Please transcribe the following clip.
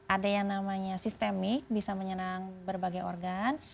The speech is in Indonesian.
ada yang namanya sistemik bisa menyenang berbagai organ